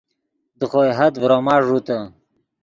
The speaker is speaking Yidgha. دے خوئے حد ڤروما ݱوتے